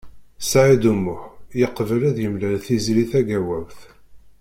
Saɛid U Muḥ yeqbel ad yemlal Tiziri Tagawawt.